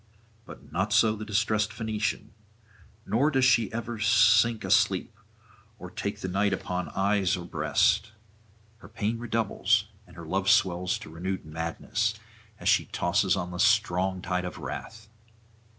But not so the distressed Phoenician, nor does she ever sink asleep or take the night upon eyes or breast; her pain redoubles, and her love swells to renewed madness, as she tosses on the strong tide of wrath.